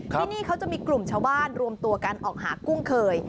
ที่นี่เขาจะมีกลุ่มชาวบ้านรวมตัวกันออกหากุ้งเคย